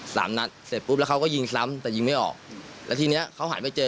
สามนัดเสร็จปุ๊บแล้วเขาก็ยิงซ้ำแต่ยิงไม่ออกแล้วทีเนี้ยเขาหันไปเจอ